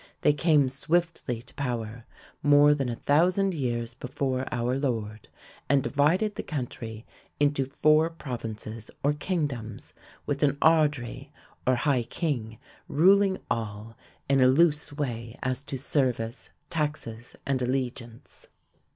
They came swiftly to power, more than a thousand years before our Lord, and divided the country into four provinces or kingdoms, with an ard ri, or high king, ruling all in a loose way as to service, taxes, and allegiance.